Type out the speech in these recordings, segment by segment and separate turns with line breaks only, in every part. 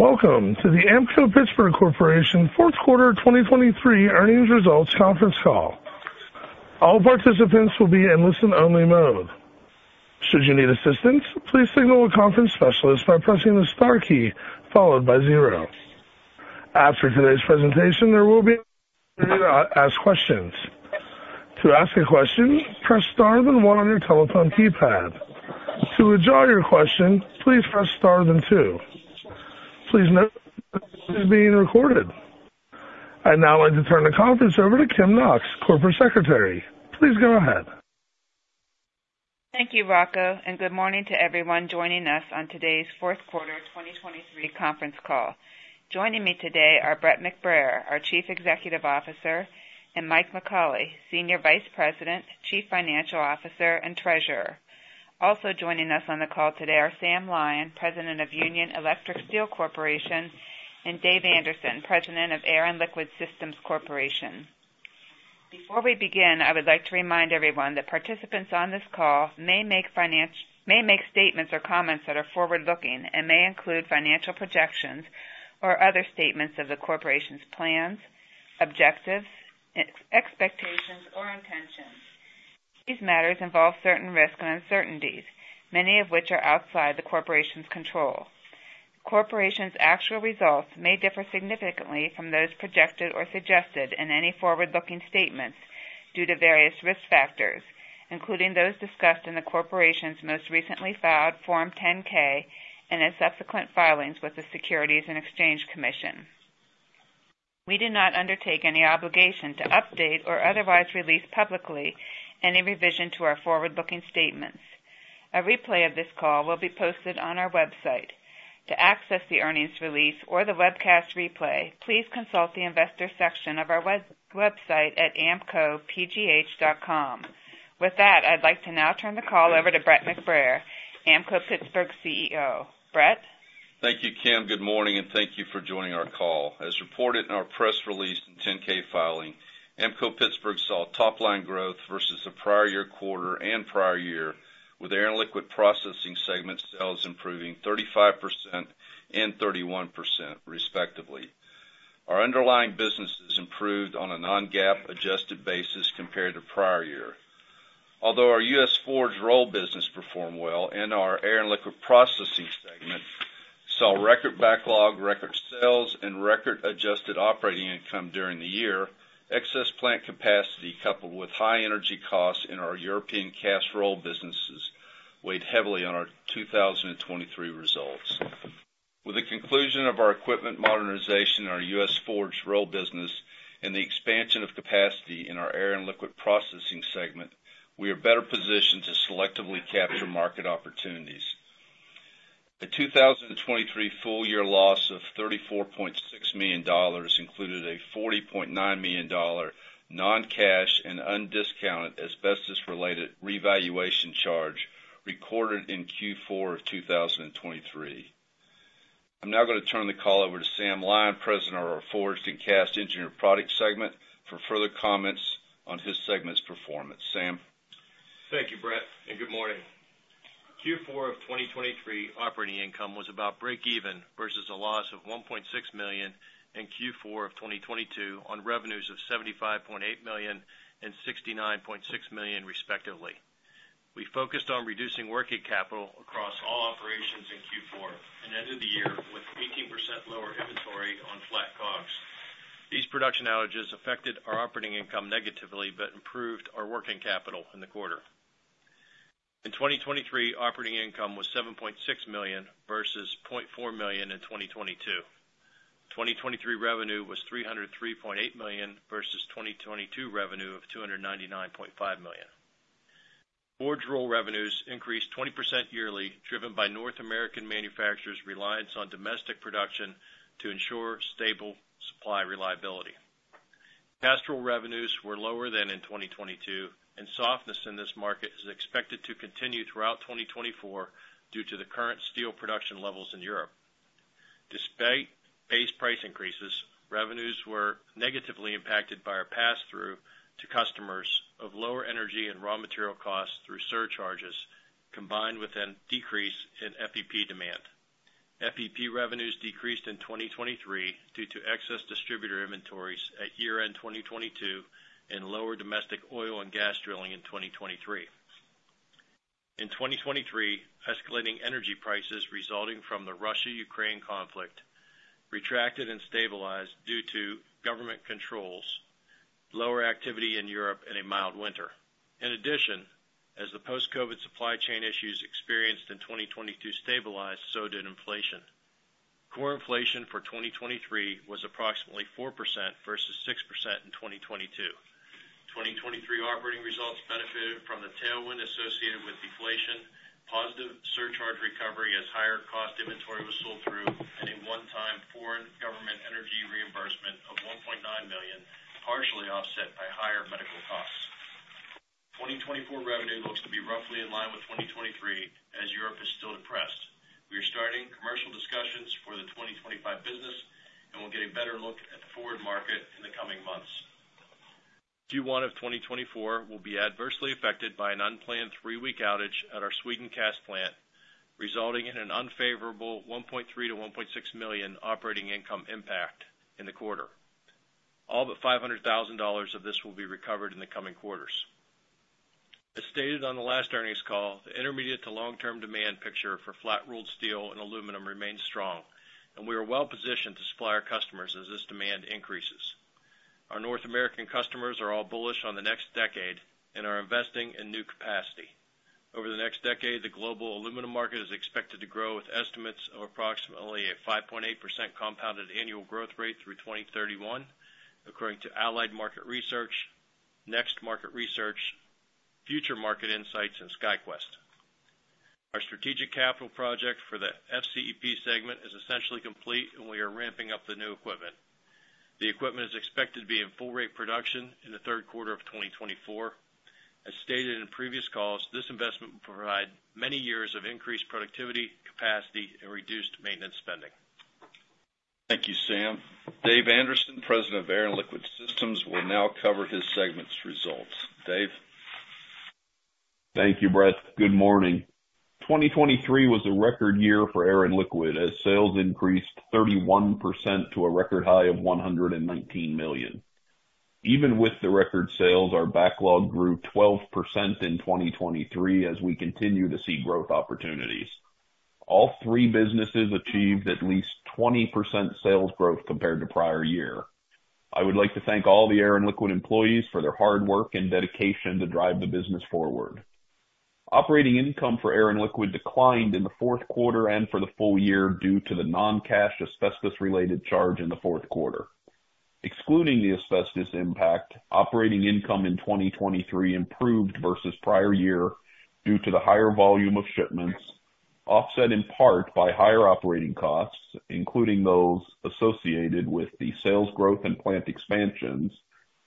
Welcome to the Ampco-Pittsburgh Corporation fourth quarter 2023 earnings results conference call. All participants will be in listen-only mode. Should you need assistance, please signal a conference specialist by pressing the star key followed by 0. After today's presentation, there will be a period to ask questions. To ask a question, press star then 1 on your telephone keypad. To adjourn your question, please press star then 2. Please note this is being recorded. I'd now like to turn the conference over to Kim Knox, Corporate Secretary. Please go ahead.
Thank you, Rocco, and good morning to everyone joining us on today's fourth quarter 2023 conference call. Joining me today are Brett McBrayer, our Chief Executive Officer, and Mike McAuley, Senior Vice President, Chief Financial Officer, and Treasurer. Also joining us on the call today are Sam Lyon, President of Union Electric Steel Corporation, and Dave Anderson, President of Air & Liquid Systems Corporation. Before we begin, I would like to remind everyone that participants on this call may make statements or comments that are forward-looking and may include financial projections or other statements of the corporation's plans, objectives, expectations, or intentions. These matters involve certain risks and uncertainties, many of which are outside the corporation's control. The corporation's actual results may differ significantly from those projected or suggested in any forward-looking statements due to various risk factors, including those discussed in the corporation's most recently filed Form 10-K and its subsequent filings with the Securities and Exchange Commission. We do not undertake any obligation to update or otherwise release publicly any revision to our forward-looking statements. A replay of this call will be posted on our website. To access the earnings release or the webcast replay, please consult the investor section of our website at ampcopgh.com. With that, I'd like to now turn the call over to Brett McBrayer, Ampco-Pittsburgh CEO. Brett?
Thank you, Kim. Good morning, and thank you for joining our call. As reported in our press release and 10-K filing, Ampco-Pittsburgh saw top-line growth versus the prior-year quarter and prior year, with Air and Liquid Processing segment sales improving 35% and 31%, respectively. Our underlying businesses improved on a non-GAAP adjusted basis compared to prior year. Although our U.S. forge roll business performed well and our Air and Liquid Processing segment saw record backlog, record sales, and record adjusted operating income during the year, excess plant capacity coupled with high energy costs in our European cast roll businesses weighed heavily on our 2023 results. With the conclusion of our equipment modernization in our U.S. forge roll business and the expansion of capacity in our Air and Liquid Processing segment, we are better positioned to selectively capture market opportunities. A 2023 full-year loss of $34.6 million included a $40.9 million non-cash and undiscounted asbestos-related revaluation charge recorded in Q4 of 2023. I'm now going to turn the call over to Sam Lyon, president of our Forged and Cast Engineered Products Segment, for further comments on his segment's performance. Sam?
Thank you, Brett, and good morning. Q4 of 2023 operating income was about break-even versus a loss of $1.6 million in Q4 of 2022 on revenues of $75.8 million and $69.6 million, respectively. We focused on reducing working capital across all operations in Q4 and ended the year with 18% lower inventory on flat COGS. These production outages affected our operating income negatively but improved our working capital in the quarter. In 2023, operating income was $7.6 million versus $0.4 million in 2022. 2023 revenue was $303.8 million versus 2022 revenue of $299.5 million. Forge roll revenues increased 20% yearly, driven by North American manufacturers' reliance on domestic production to ensure stable supply reliability. Cast roll revenues were lower than in 2022, and softness in this market is expected to continue throughout 2024 due to the current steel production levels in Europe. Despite base price increases, revenues were negatively impacted by our pass-through to customers of lower energy and raw material costs through surcharges, combined with a decrease in FEP demand. FEP revenues decreased in 2023 due to excess distributor inventories at year-end 2022 and lower domestic oil and gas drilling in 2023. In 2023, escalating energy prices resulting from the Russia-Ukraine conflict retracted and stabilized due to government controls, lower activity in Europe, and a mild winter. In addition, as the post-COVID supply chain issues experienced in 2022 stabilized, so did inflation. Core inflation for 2023 was approximately 4% versus 6% in 2022. 2023 operating results benefited from the tailwind associated with deflation, positive surcharge recovery as higher cost inventory was sold through, and a one-time foreign government energy reimbursement of $1.9 million, partially offset by higher medical costs. 2024 revenue looks to be roughly in line with 2023 as Europe is still depressed. We are starting commercial discussions for the 2025 business, and we'll get a better look at the forward market in the coming months. Q1 of 2024 will be adversely affected by an unplanned three-week outage at our Sweden Cast Plant, resulting in an unfavorable $1.3million-$1.6 million operating income impact in the quarter. All but $500,000 of this will be recovered in the coming quarters. As stated on the last earnings call, the intermediate to long-term demand picture for flat-rolled steel and aluminum remains strong, and we are well positioned to supply our customers as this demand increases. Our North American customers are all bullish on the next decade and are investing in new capacity. Over the next decade, the global aluminum market is expected to grow with estimates of approximately a 5.8% compounded annual growth rate through 2031, according to Allied Market Research, Next Market Research, Future Market Insights, and SkyQuest. Our strategic capital project for the FCEP segment is essentially complete, and we are ramping up the new equipment. The equipment is expected to be in full-rate production in the third quarter of 2024. As stated in previous calls, this investment will provide many years of increased productivity, capacity, and reduced maintenance spending.
Thank you, Sam. Dave Anderson, President of Air & Liquid Systems, will now cover his segment's results. Dave?
Thank you, Brett. Good morning. 2023 was a record year for Air and Liquid as sales increased 31% to a record high of $119 million. Even with the record sales, our backlog grew 12% in 2023 as we continue to see growth opportunities. All three businesses achieved at least 20% sales growth compared to prior year. I would like to thank all the Air and Liquid employees for their hard work and dedication to drive the business forward. Operating income for Air and Liquid declined in the fourth quarter and for the full year due to the non-cash asbestos-related charge in the fourth quarter. Excluding the asbestos impact, operating income in 2023 improved versus prior year due to the higher volume of shipments, offset in part by higher operating costs, including those associated with the sales growth and plant expansions,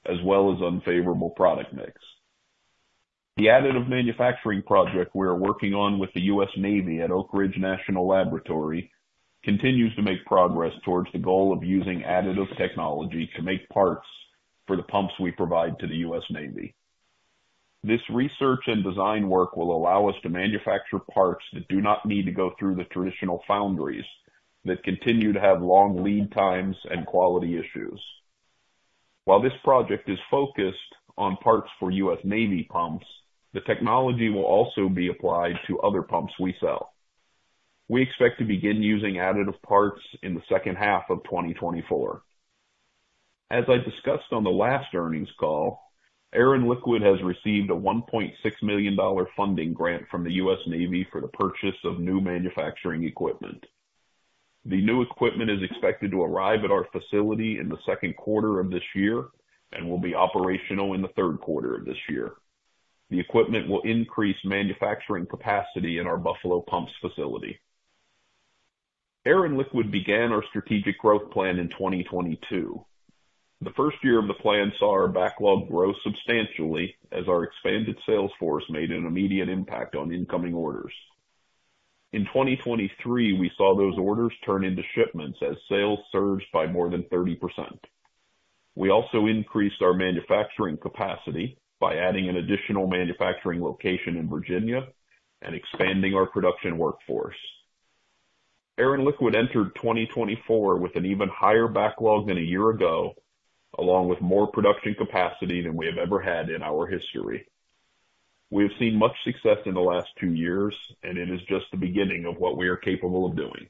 as well as unfavorable product mix. The additive manufacturing project we are working on with the U.S. Navy at Oak Ridge National Laboratory continues to make progress towards the goal of using additive technology to make parts for the pumps we provide to the U.S. Navy. This research and design work will allow us to manufacture parts that do not need to go through the traditional foundries, that continue to have long lead times and quality issues. While this project is focused on parts for U.S. Navy pumps, the technology will also be applied to other pumps we sell. We expect to begin using additive parts in the second half of 2024. As I discussed on the last earnings call, Air and Liquid has received a $1.6 million funding grant from the U.S. Navy for the purchase of new manufacturing equipment. The new equipment is expected to arrive at our facility in the second quarter of this year and will be operational in the third quarter of this year. The equipment will increase manufacturing capacity in our Buffalo Pumps facility. Air and Liquid began our strategic growth plan in 2022. The first year of the plan saw our backlog grow substantially as our expanded sales force made an immediate impact on incoming orders. In 2023, we saw those orders turn into shipments as sales surged by more than 30%. We also increased our manufacturing capacity by adding an additional manufacturing location in Virginia and expanding our production workforce. Air and Liquid entered 2024 with an even higher backlog than a year ago, along with more production capacity than we have ever had in our history. We have seen much success in the last two years, and it is just the beginning of what we are capable of doing.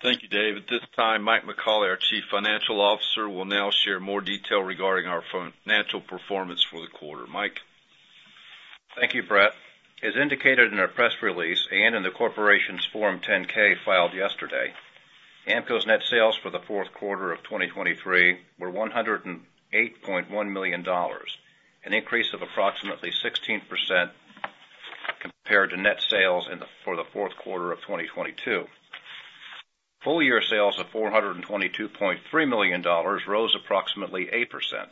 Thank you, Dave. At this time, Mike McAuley, our Chief Financial Officer, will now share more detail regarding our financial performance for the quarter. Mike?
Thank you, Brett. As indicated in our press release and in the corporation's Form 10-K filed yesterday, Ampco-Pittsburgh's net sales for the fourth quarter of 2023 were $108.1 million, an increase of approximately 16% compared to net sales for the fourth quarter of 2022. Full-year sales of $422.3 million rose approximately 8%.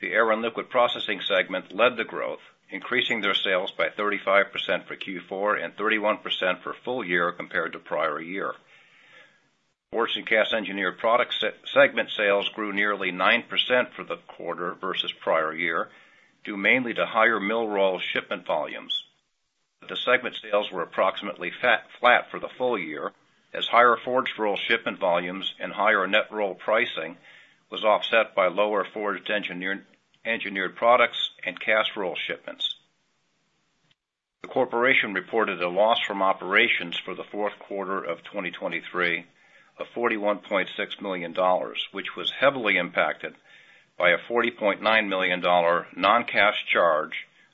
The Air and Liquid Processing segment led the growth, increasing their sales by 35% for Q4 and 31% for full year compared to prior year. Forged and Cast Engineered Products segment sales grew nearly 9% for the quarter versus prior year due mainly to higher mill roll shipment volumes. The segment sales were approximately flat for the full year as higher forge roll shipment volumes and higher net roll pricing were offset by lower forged engineered products and cast roll shipments. The corporation reported a loss from operations for the fourth quarter of 2023 of $41.6 million, which was heavily impacted by a $40.9 million non-cash charge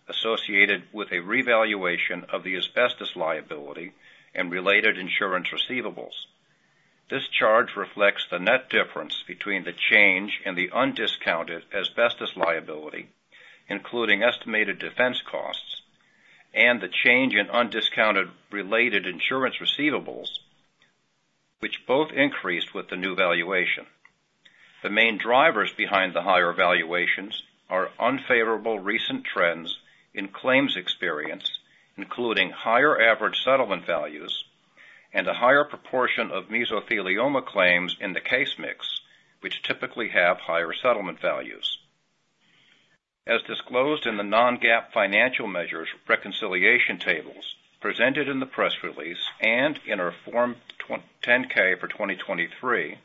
associated with a revaluation of the asbestos liability and related insurance receivables. This charge reflects the net difference between the change and the undiscounted asbestos liability, including estimated defense costs, and the change in undiscounted related insurance receivables, which both increased with the new valuation. The main drivers behind the higher valuations are unfavorable recent trends in claims experience, including higher average settlement values and a higher proportion of mesothelioma claims in the case mix, which typically have higher settlement values. As disclosed in the non-GAAP financial measures reconciliation tables presented in the press release and in our Form 10-K for 2023,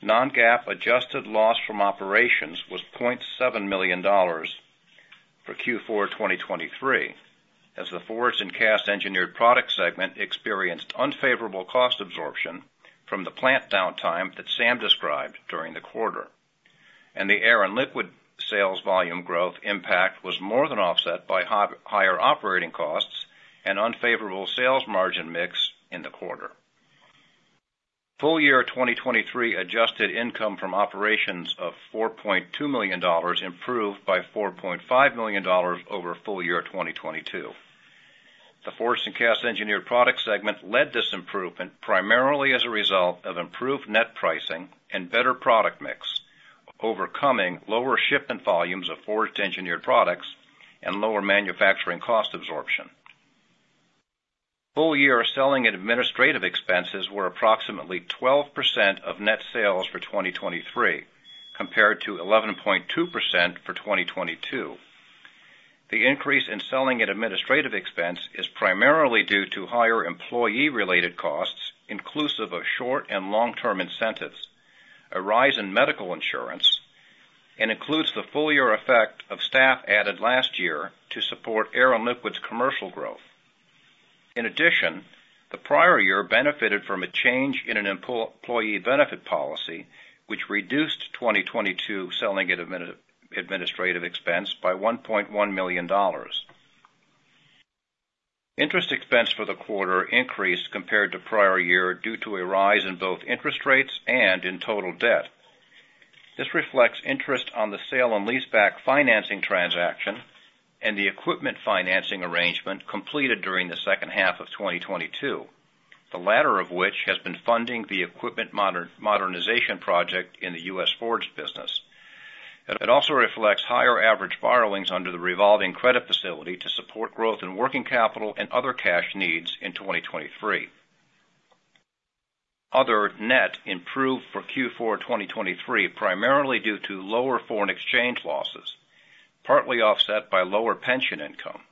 non-GAAP adjusted loss from operations was $0.7 million for Q4 2023 as the Forged and Cast Engineered Product Segment experienced unfavorable cost absorption from the plant downtime that Sam described during the quarter. The Air and Liquid sales volume growth impact was more than offset by higher operating costs and unfavorable sales margin mix in the quarter. Full-year 2023 adjusted income from operations of $4.2 million improved by $4.5 million over full year 2022. The Forged and Cast Engineered Product Segment led this improvement primarily as a result of improved net pricing and better product mix, overcoming lower shipment volumes of forged engineered products and lower manufacturing cost absorption. Full-year selling and administrative expenses were approximately 12% of net sales for 2023 compared to 11.2% for 2022. The increase in selling and administrative expense is primarily due to higher employee-related costs, inclusive of short and long-term incentives, a rise in medical insurance, and includes the full-year effect of staff added last year to support Air & Liquid's commercial growth. In addition, the prior year benefited from a change in an employee benefit policy, which reduced 2022 selling and administrative expense by $1.1 million. Interest expense for the quarter increased compared to prior year due to a rise in both interest rates and in total debt. This reflects interest on the sale and leaseback financing transaction and the equipment financing arrangement completed during the second half of 2022, the latter of which has been funding the equipment modernization project in the U.S. forged business. It also reflects higher average borrowings under the revolving credit facility to support growth in working capital and other cash needs in 2023. Other net improved for Q4 2023 primarily due to lower foreign exchange losses, partly offset by lower pension income.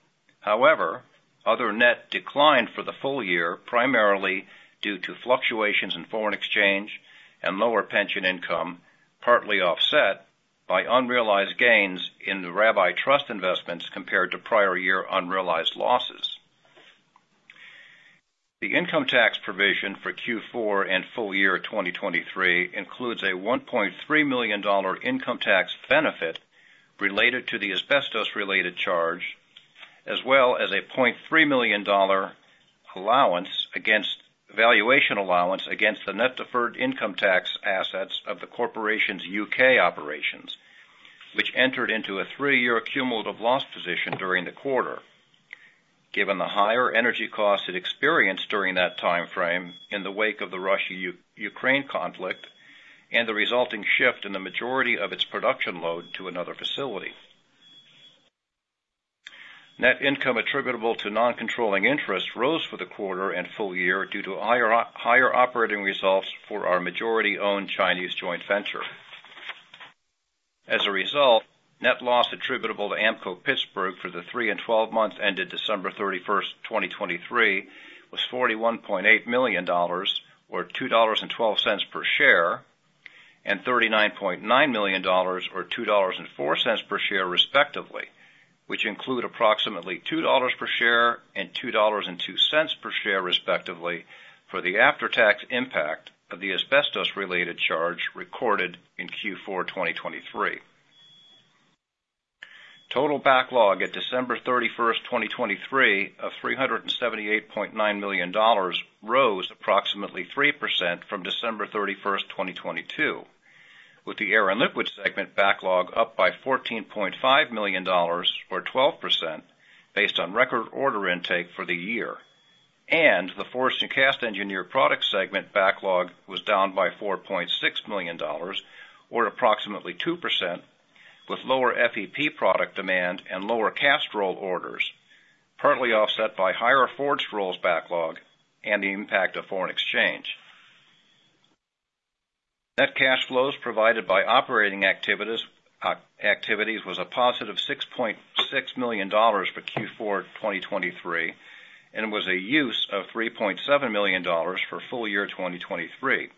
However, other net declined for the full year primarily due to fluctuations in foreign exchange and lower pension income, partly offset by unrealized gains in the Rabbi Trust investments compared to prior year unrealized losses. The income tax provision for Q4 and full year 2023 includes a $1.3 million income tax benefit related to the asbestos-related charge, as well as a $0.3 million allowance against valuation allowance against the net deferred income tax assets of the corporation's U.K. operations, which entered into a three-year cumulative loss position during the quarter, given the higher energy costs it experienced during that time frame in the wake of the Russia-Ukraine conflict and the resulting shift in the majority of its production load to another facility. Net income attributable to non-controlling interest rose for the quarter and full year due to higher operating results for our majority-owned Chinese joint venture. As a result, net loss attributable to Ampco-Pittsburgh for the three and twelve months ended December 31, 2023, was $41.8 million or $2.12 per share and $39.9 million or $2.04 per share, respectively, which include approximately $2 per share and $2.02 per share, respectively, for the after-tax impact of the asbestos-related charge recorded in Q4 2023. Total backlog at December 31, 2023, of $378.9 million rose approximately 3% from December 31, 2022, with the Air and Liquid segment backlog up by $14.5 million or 12% based on record order intake for the year. The forged and cast engineered products segment backlog was down by $4.6 million or approximately 2%, with lower FEP product demand and lower cast roll orders, partly offset by higher forged rolls backlog and the impact of foreign exchange. Net cash flows provided by operating activities was a positive $6.6 million for Q4 2023 and was a use of $3.7 million for full year 2023.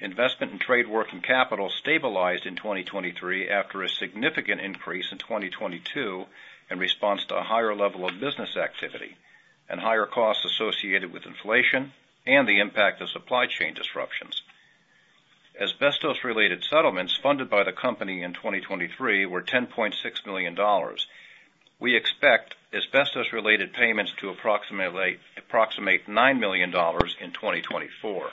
Investment in trade working capital stabilized in 2023 after a significant increase in 2022 in response to a higher level of business activity and higher costs associated with inflation and the impact of supply chain disruptions. Asbestos-related settlements funded by the company in 2023 were $10.6 million. We expect asbestos-related payments to approximate $9 million in 2024.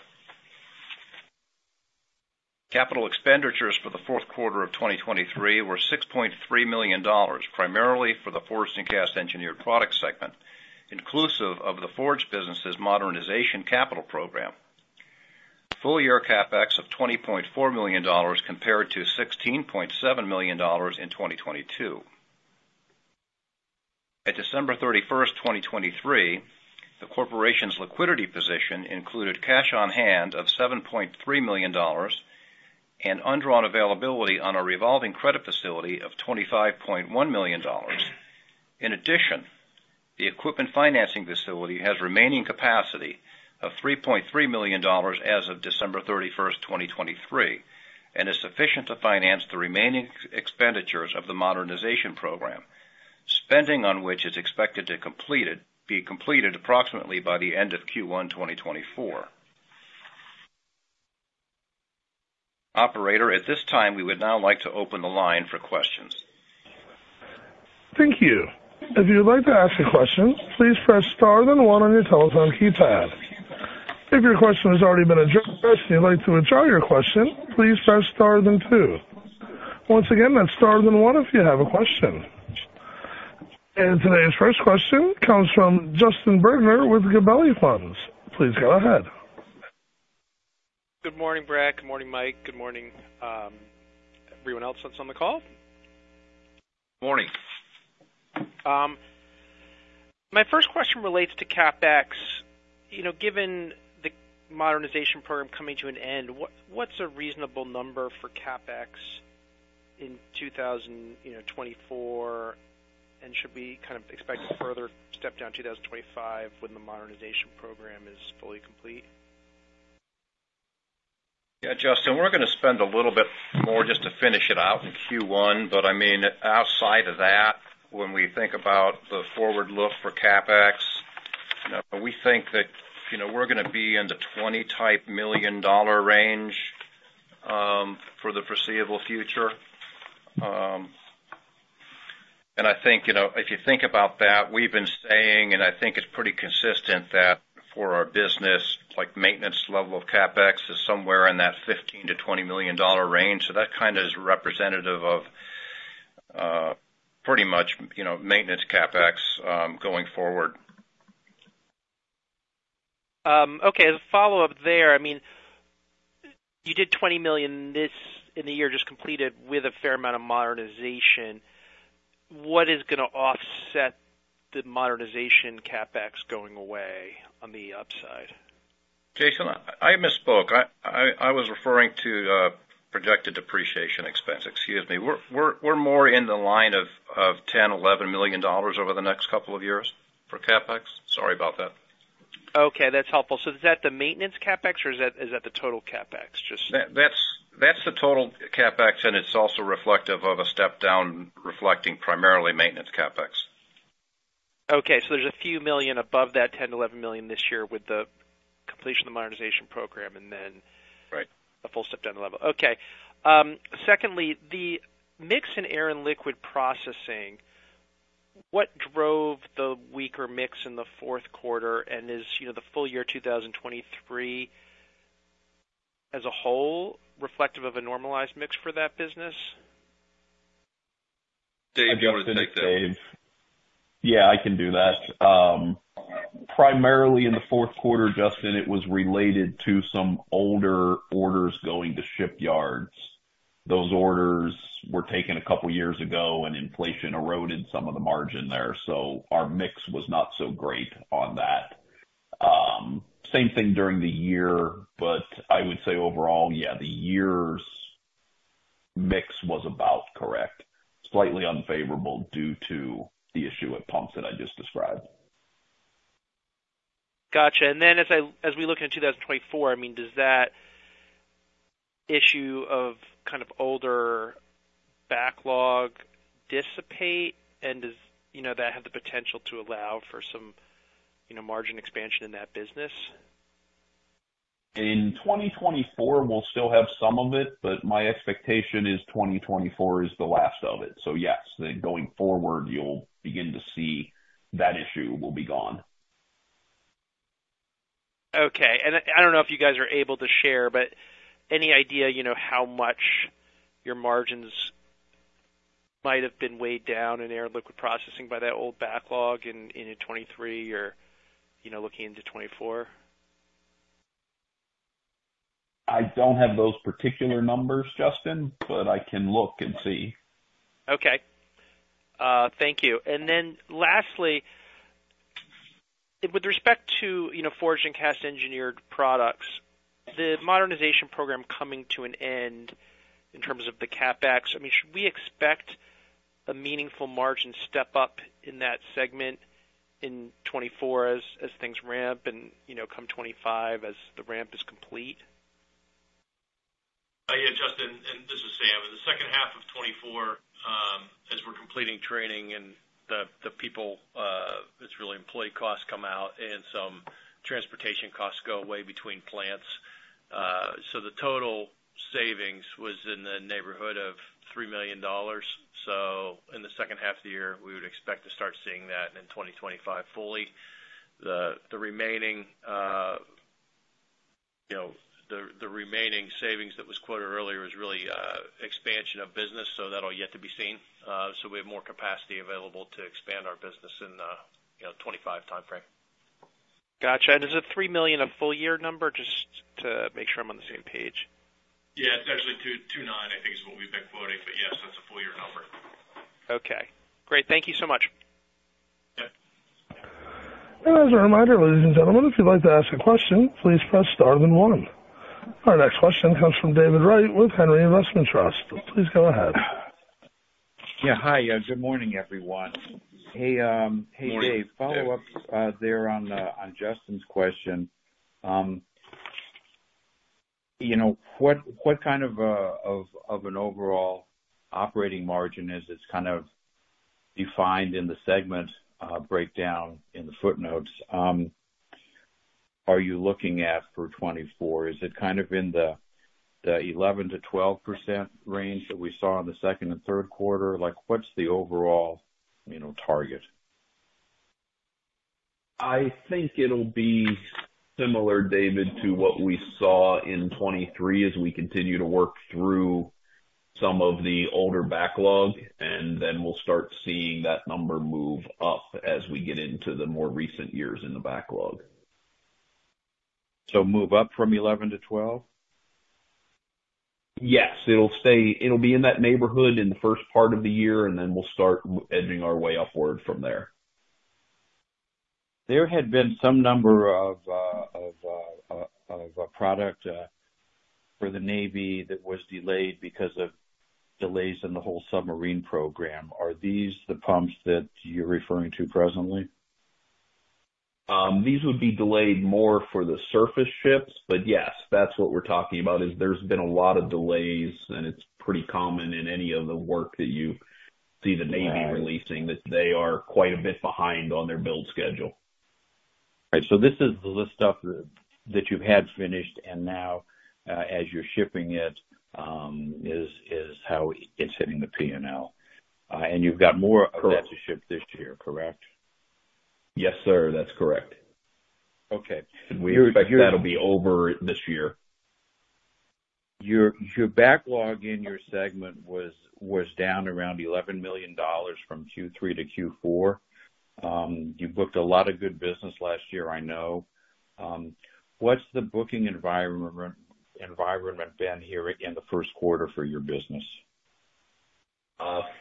Capital expenditures for the fourth quarter of 2023 were $6.3 million, primarily for the Forged and Cast Engineered Products segment, inclusive of the forge business's modernization capital program. Full-year CapEx of $20.4 million compared to $16.7 million in 2022. At December 31, 2023, the corporation's liquidity position included cash on hand of $7.3 million and undrawn availability on a revolving credit facility of $25.1 million. In addition, the equipment financing facility has remaining capacity of $3.3 million as of December 31, 2023, and is sufficient to finance the remaining expenditures of the modernization program, spending on which is expected to be completed approximately by the end of Q1 2024. Operator, at this time, we would now like to open the line for questions.
Thank you. If you would like to ask a question, please press star, then one on your telephone keypad. If your question has already been addressed and you'd like to withdraw your question, please press star, then two. Once again, that's star, then one if you have a question. And today's first question comes from Justin Bergner with Gabelli Funds. Please go ahead.
Good morning, Brett. Good morning, Mike. Good morning, everyone else that's on the call.
Morning.
My first question relates to CapEx. Given the modernization program coming to an end, what's a reasonable number for CapEx in 2024, and should we expect a further step down in 2025 when the modernization program is fully complete?
Justin, we're going to spend a little bit more just to finish it out in Q1, but outside of that, when we think about the forward look for CapEx, we think that we're going to be in the $20-type million range for the foreseeable future. And I think if you think about that, we've been saying, and I think it's pretty consistent, that for our business, maintenance level of CapEx is somewhere in that $15million-$20 million range. So that is representative of pretty much maintenance CapEx going forward.
Okay. As a follow-up there, you did $20 million in the year just completed with a fair amount of modernization. What is going to offset the modernization CapEx going away on the upside?
Jason, I misspoke. I was referring to projected depreciation expense. Excuse me. We're more in the line of $10 million-$11 million over the next couple of years for CapEx. Sorry about that.
Okay. That's helpful. Is that the maintenance CapEx, or is that the total CapEx?
That's the total CapEx, and it's also reflective of a step down reflecting primarily maintenance CapEx.
Okay. So there's a few million above that $10million-$11 million this year with the completion of the modernization program and then a full step down the level. Okay. Secondly, the mix in Air and Liquid Processing, what drove the weaker mix in the fourth quarter? And is the full year 2023 as a whole reflective of a normalized mix for that business?
Dave, do you want to take that? I think, Dave.
Yeah, I can do that. Primarily in the fourth quarter, Justin, it was related to some older orders going to shipyards. Those orders were taken a couple of years ago, and inflation eroded some of the margin there, so our mix was not so great on that. Same thing during the year, but I would say overall, yeah, the year's mix was about correct, slightly unfavorable due to the issue at pumps that I just described.
Gotcha. And then as we look into 2024, does that issue of older backlog dissipate, and does that have the potential to allow for some margin expansion in that business?
In 2024, we'll still have some of it, but my expectation is 2024 is the last of it. Yes, going forward, you'll begin to see that issue will be gone.
Okay. I don't know if you guys are able to share, but any idea how much your margins might have been weighed down in Air and Liquid Processing by that old backlog in 2023 or looking into 2024?
I don't have those particular numbers, Justin, but I can look and see.
Okay. Thank you. Then lastly, with respect to Forged and Cast Engineered Products, the modernization program coming to an end in terms of the CapEx, should we expect a meaningful margin step up in that segment in 2024 as things ramp and come 2025 as the ramp is complete?
Yeah, Justin, and this is Sam. In the second half of 2024, as we're completing training and the people, it's really employee costs come out, and some transportation costs go away between plants, so the total savings was in the neighborhood of $3 million. So in the second half of the year, we would expect to start seeing that in 2025 fully. The remaining savings that was quoted earlier was really expansion of business, so that'll yet to be seen. So we have more capacity available to expand our business in the 2025 time frame.
Gotcha. Is a $3 million a full-year number? Just to make sure I'm on the same page.
Yeah, it's actually 29, I think, is what we've been quoting, but yes, that's a full-year number.
Okay. Great. Thank you so much.
As a reminder, ladies and gentlemen, if you'd like to ask a question, please press star then one. Our next question comes from David Wright with Henry Investment Trust. Please go ahead.
Yeah, hi. Good morning, everyone. Hey, Dave.
Morning.
Follow-up there on Justin's question. What kind of an overall operating margin is defined in the segment breakdown in the footnotes? Are you looking at it for 2024? Is it in the 11%-12% range that we saw in the second and third quarter? What's the overall target? I think it'll be similar, David, to what we saw in 2023 as we continue to work through some of the older backlog, and then we'll start seeing that number move up as we get into the more recent years in the backlog.
So move up from 11 to 12?
Yes. It'll be in that neighborhood in the first part of the year, and then we'll start edging our way upward from there. There had been some number of product for the Navy that was delayed because of delays in the whole submarine program. Are these the pumps that you're referring to presently? These would be delayed more for the surface ships, but yes, that's what we're talking about, is there's been a lot of delays, and it's pretty common in any of the work that you see the Navy releasing that they are quite a bit behind on their build schedule. Right. So this is the stuff that you've had finished, and now as you're shipping it is how it's hitting the P&L. And you've got more of that to ship this year, correct?
Yes, sir. That's correct.
Okay. We expect that'll be over this year. Your backlog in your segment was down around $11 million from Q3 to Q4. You booked a lot of good business last year, I know. What's the booking environment been here in the first quarter for your business?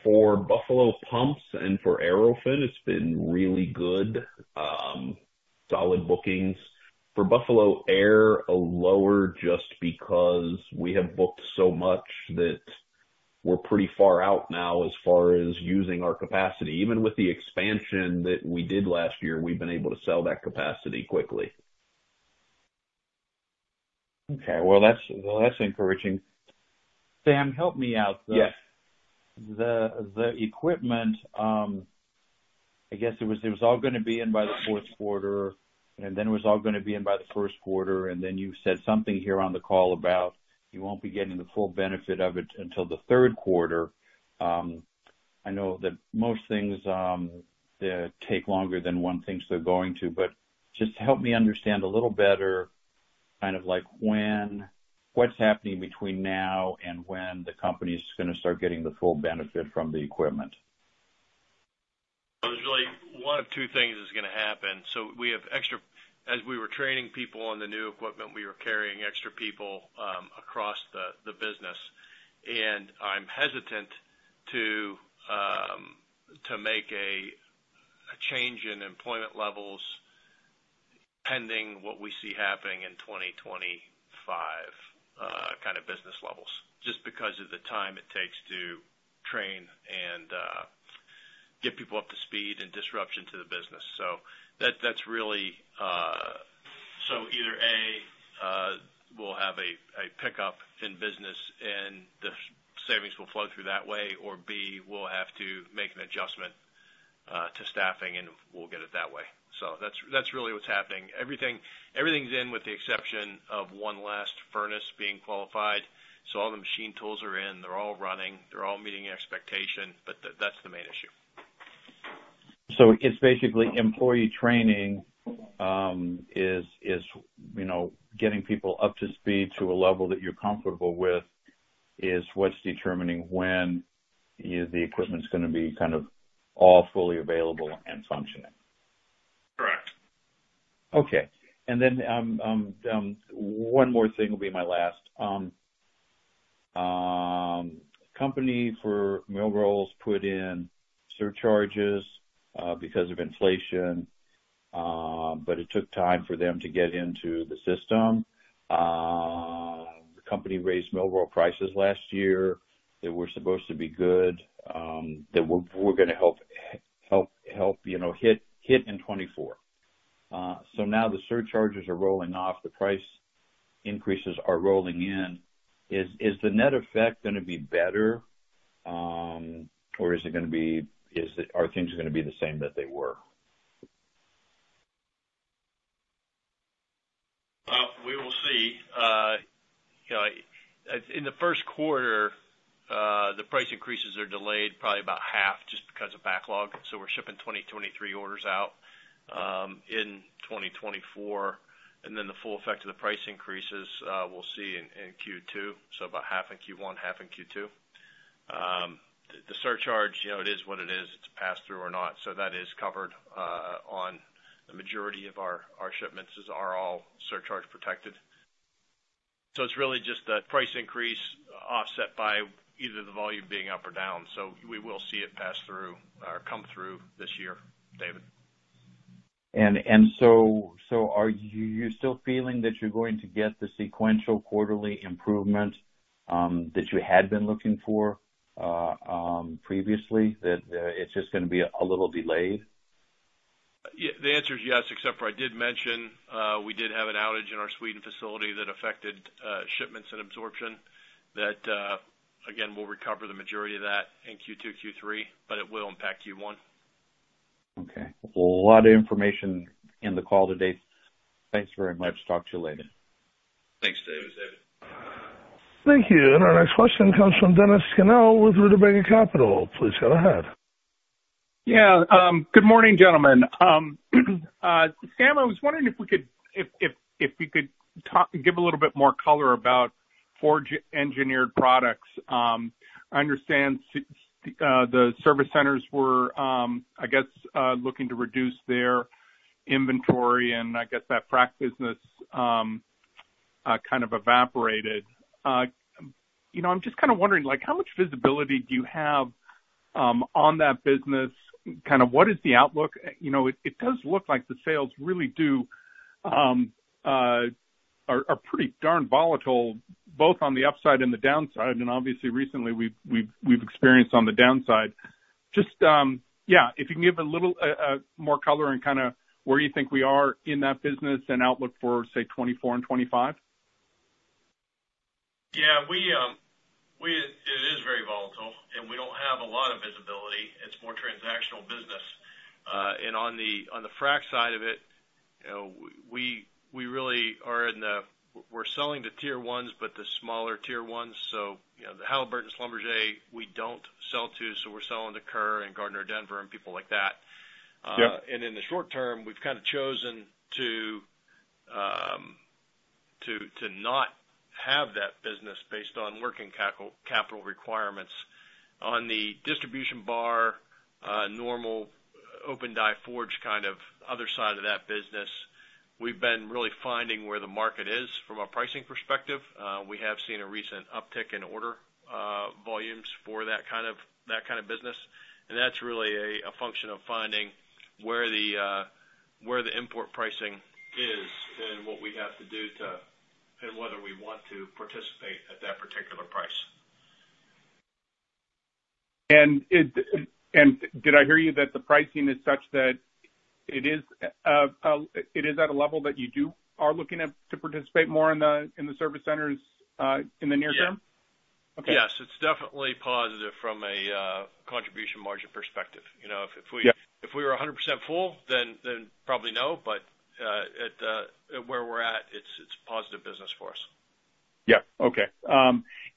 For Buffalo Pumps and for Aerofin, it's been really good, solid bookings. For Buffalo Air, a lower just because we have booked so much that we're pretty far out now as far as using our capacity. Even with the expansion that we did last year, we've been able to sell that capacity quickly. Okay. Well, that's encouraging. Sam, help me out. The equipment, I guess it was all going to be in by the fourth quarter, and then it was all going to be in by the first quarter. Then you said something here on the call about you won't be getting the full benefit of it until the third quarter. I know that most things take longer than one thinks they're going to, but just help me understand a little better what's happening between now and when the company is going to start getting the full benefit from the equipment.
One of two things is going to happen. So as we were training people on the new equipment, we were carrying extra people across the business. And I'm hesitant to make a change in employment levels pending what we see happening in 2025 business levels just because of the time it takes to train and get people up to speed and disruption to the business. So either A, we'll have a pickup in business, and the savings will flow through that way, or B, we'll have to make an adjustment to staffing, and we'll get it that way. So that's really what's happening. Everything's in with the exception of one last furnace being qualified. So all the machine tools are in. They're all running. They're all meeting expectation, but that's the main issue.
It's basically employee training is getting people up to speed to a level that you're comfortable with is what's determining when the equipment's going to be all fully available and functioning.
Correct.
Okay. And then one more thing will be my last. The company for mill rolls put in surcharges because of inflation, but it took time for them to get into the system. The company raised mill rolls prices last year that were supposed to be good that we're going to help hit in 2024. So now the surcharges are rolling off. The price increases are rolling in. Is the net effect going to be better, or is it going to be the same that they were?
We will see. In the first quarter, the price increases are delayed probably about half just because of backlog. So we're shipping 2023 orders out in 2024. And then the full effect of the price increases, we'll see in Q2, so about half in Q1, half in Q2. The surcharge, it is what it is. It's passed through or not. So that is covered on the majority of our shipments are all surcharge protected. So it's really just that price increase offset by either the volume being up or down. So we will see it pass through or come through this year, David.
And so are you still feeling that you're going to get the sequential quarterly improvement that you had been looking for previously, that it's just going to be a little delayed?
The answer is yes, except for I did mention we did have an outage in our Sweden facility that affected shipments and absorption that, again, we'll recover the majority of that in Q2, Q3, but it will impact Q1.
Okay. A lot of information in the call today. Thanks very much. Talk to you later.
Thanks, David.
Thank you. Our next question comes from Dennis Scannell with Rutabaga Capital. Please go ahead.
Yeah. Good morning, gentlemen. Sam, I was wondering if we could give a little bit more color about forged engineered products. I understand the service centers were, I guess, looking to reduce their inventory, and I guess that frack business evaporated. I'm just kind of wondering, how much visibility do you have on that business? What is the outlook? It does look like the sales really are pretty darn volatile, both on the upside and the downside, and obviously, recently, we've experienced on the downside. Yeah, if you can give a little more color and where you think we are in that business and outlook for, say, 2024 and 2025.
Yeah. It is very volatile, and we don't have a lot of visibility. It's more transactional business. And on the frack side of it, we're selling to tier ones, but the smaller tier ones. So the Halliburton, Schlumberger, we don't sell to. So we're selling to Kerr and Gardner Denver and people like that. And in the short term, we've chosen to not have that business based on working capital requirements. On the distribution bar, normal open-die forged other side of that business, we've been really finding where the market is from a pricing perspective. We have seen a recent uptick in order volumes for that kind of business. And that's really a function of finding where the import pricing is and what we have to do and whether we want to participate at that particular price.
Did I hear you that the pricing is such that it is at a level that you do are looking to participate more in the service centers in the near term?
Yes. Yes. It's definitely positive from a contribution margin perspective. If we were 100% full, then probably no, but where we're at, it's positive business for us.
Yeah. Okay.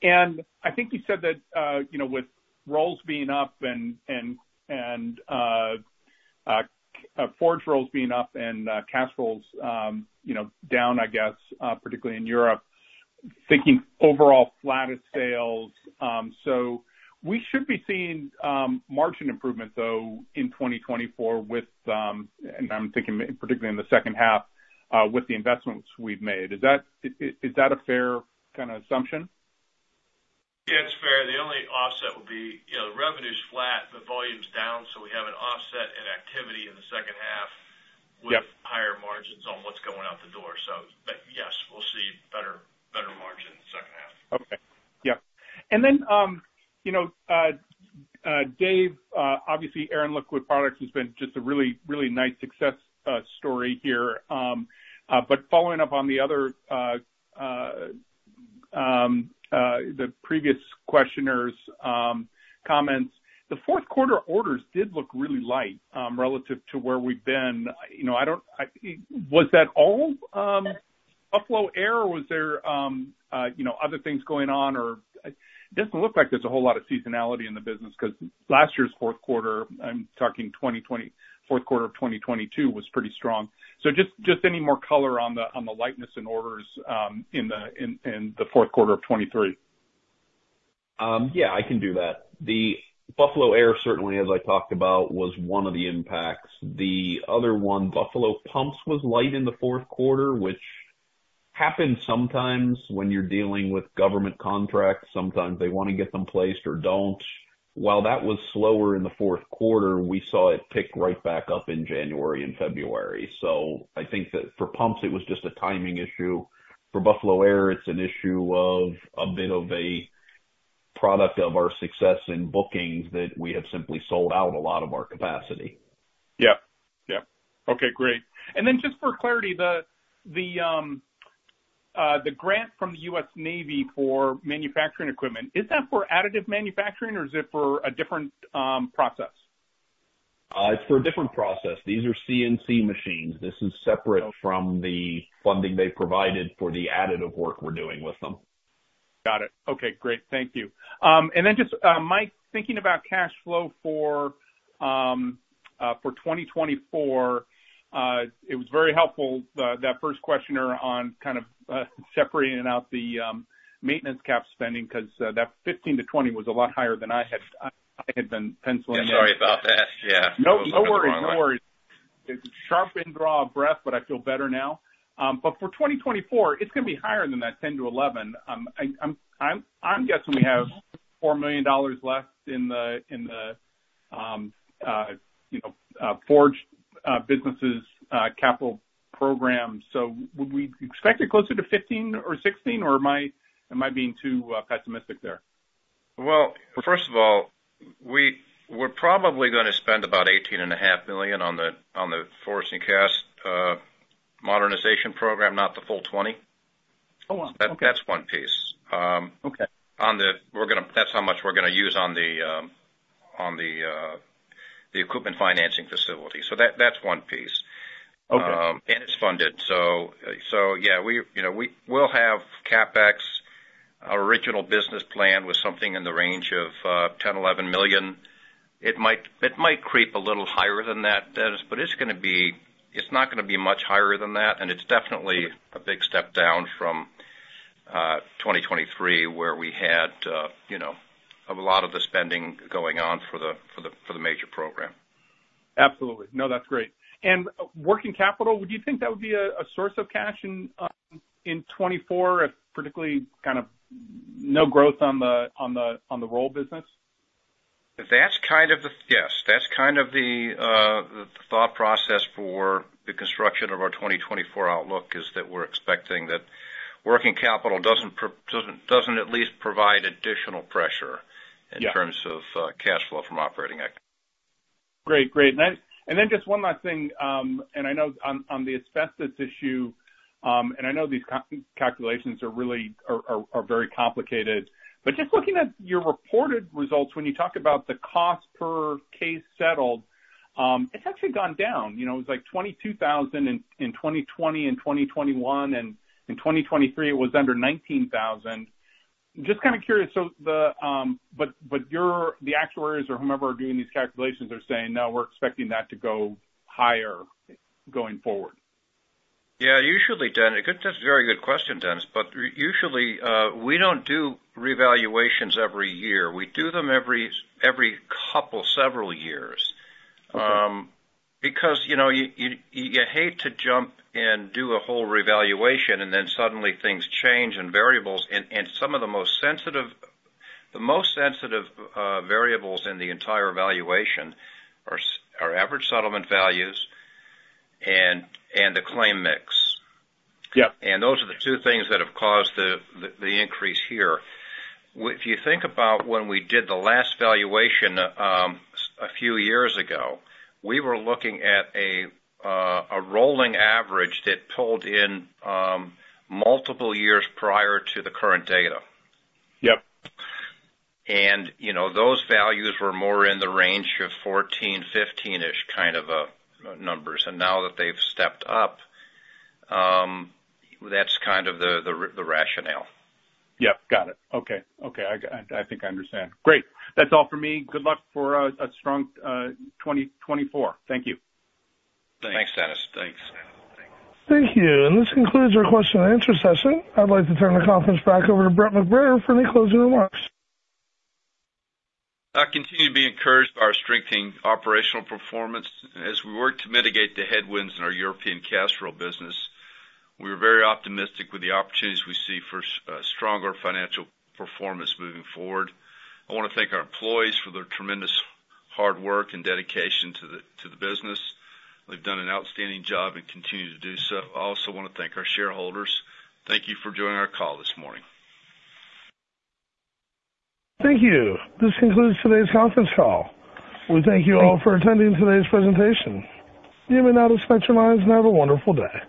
And I think you said that with rolls being up and forge rolls being up and cast rolls down, I guess, particularly in Europe, thinking overall flat sales. So we should be seeing margin improvements, though, in 2024, and I'm thinking particularly in the second half with the investments we've made. Is that a fair assumption?
Yeah, it's fair. The only offset would be the revenue's flat, but volume's down, so we have an offset in activity in the second half with higher margins on what's going out the door. But yes, we'll see better margin in the second half.
Okay. Yeah. Then, Dave, obviously, Air & Liquid Systems has been just a really nice success story here. But following up on the previous questioner's comments, the fourth quarter orders did look really light relative to where we've been. Was that all Buffalo Air, or were there other things going on? It doesn't look like there's a whole lot of seasonality in the business because last year's fourth quarter—I'm talking fourth quarter of 2022—was pretty strong. So just any more color on the lightness in orders in the fourth quarter of 2023?
Yeah, I can do that. Buffalo Air, certainly, as I talked about, was one of the impacts. The other one, Buffalo Pumps was light in the fourth quarter, which happens sometimes when you're dealing with government contracts. Sometimes they want to get them placed or don't. While that was slower in the fourth quarter, we saw it pick right back up in January and February. So I think that for pumps, it was just a timing issue. For Buffalo Air, it's an issue of a bit of a product of our success in bookings that we have simply sold out a lot of our capacity.
Yep. Yep. Okay. Great. And then just for clarity, the grant from the U.S. Navy for manufacturing equipment, is that for additive manufacturing, or is it for a different process?
It's for a different process. These are CNC machines. This is separate from the funding they provided for the additive work we're doing with them.
Got it. Okay. Great. Thank you. And then just, Mike, thinking about cash flow for 2024, it was very helpful, that first questionnaire, on separating out the maintenance CapEx because that 15-20 was a lot higher than I had been penciling in.
Yeah. Sorry about that. Yeah.
No worries. No worries. It's a sharp in-draw breath, but I feel better now. But for 2024, it's going to be higher than that $10-$11. I'm guessing we have $4 million left in the forged businesses capital program. So would we expect it closer to $15 or $16, or am I being too pessimistic there?
Well, first of all, we're probably going to spend about $18.5 million on the forged and cast modernization program, not the full $20 million. That's one piece. That's how much we're going to use on the equipment financing facility. So that's one piece. And it's funded. So yeah, we'll have CapEx. Our original business plan was something in the range of $10-$11 million. It might creep a little higher than that, Dennis, but it's going to be it's not going to be much higher than that, and it's definitely a big step down from 2023 where we had a lot of the spending going on for the major program.
Absolutely. No, that's great. Working capital, would you think that would be a source of cash in 2024 if particularly no growth on the roll business?
That's kind of the yes. That's kind of the thought process for the construction of our 2024 outlook is that we're expecting that working capital doesn't at least provide additional pressure in terms of cash flow from operating activity.
Great. Great. And then just one last thing. And I know on the asbestos issue and I know these calculations are very complicated. But just looking at your reported results, when you talk about the cost per case settled, it's actually gone down. It was like $22,000 in 2020 and 2021, and in 2023, it was under $19,000. Just curious. But the actuaries or whomever are doing these calculations are saying, "No, we're expecting that to go higher going forward.
Yeah. That's a very good question, Dennis. But usually, we don't do revaluations every year. We do them every couple, several years because you hate to jump and do a whole revaluation and then suddenly things change in variables. And some of the most sensitive variables in the entire evaluation are average settlement values and the claim mix. And those are the two things that have caused the increase here. If you think about when we did the last valuation a few years ago, we were looking at a rolling average that pulled in multiple years prior to the current data. And those values were more in the range of 14, 15-ish kind of numbers. And now that they've stepped up, that's kind of the rationale.
Yep. Got it. Okay. Okay. I think I understand. Great. That's all for me. Good luck for a strong 2024. Thank you.
Thanks, Dennis. Thanks.
Thank you. This concludes our question and answer session. I'd like to turn the conference back over to Brett McBrayer for any closing remarks.
I continue to be encouraged by our strengthening operational performance. As we work to mitigate the headwinds in our European cast roll business, we are very optimistic with the opportunities we see for stronger financial performance moving forward. I want to thank our employees for their tremendous hard work and dedication to the business. They've done an outstanding job and continue to do so. I also want to thank our shareholders. Thank you for joining our call this morning.
Thank you. This concludes today's conference call. We thank you all for attending today's presentation. You may now disconnect and have a wonderful day.